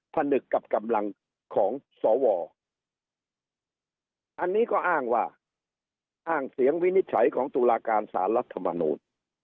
ผนึกกับกำลังของสวอันนี้ก็อ้างว่าอ้างเสียงวินิจฉัยของตุลาการสารรัฐมนูล